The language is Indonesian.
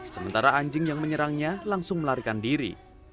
sementara anjing yang menyerangnya langsung melarikan diri